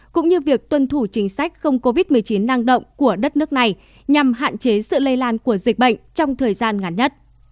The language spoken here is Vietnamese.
cũng như việc tuân thủ chính sách không covid một mươi chín năng động của đất nước này nhằm hạn chế sự lây lan của dịch bệnh trong thời gian ngắn nhất